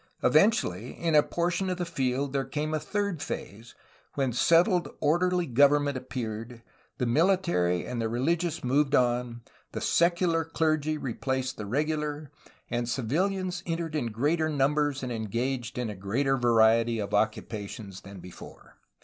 Eventually, in a portion of the field there came a third phase, when settled orderly government appeared, the military and the reUgious moved on, the secular clergy replaced the regular, and civilians entered in greater numbers and engaged in a greater variety of occupations than before.